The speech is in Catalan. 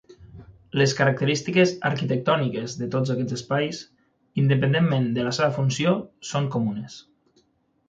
Les característiques arquitectòniques de tots aquests espais, independentment de la seva funció, són comunes.